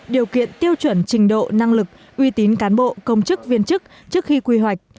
điều kiện tiêu chuẩn trình độ năng lực uy tín cán bộ công chức viên chức trước khi quy hoạch